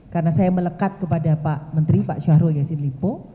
karena saya melekat kepada pak menteri pak syahrul yasin lipo